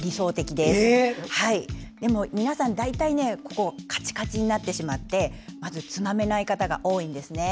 でも、皆さん大体カチカチになってしまってまずつまめない方が多いんです。